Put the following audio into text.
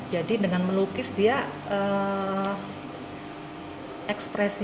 jadi dengan melukis dia dia bisa berpikir pikir